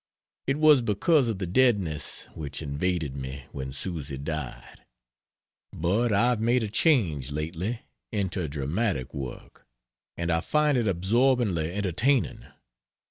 It was because of the deadness which invaded me when Susy died. But I have made a change lately into dramatic work and I find it absorbingly entertaining.